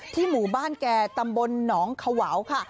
หมู่บ้านแก่ตำบลหนองขวาวค่ะ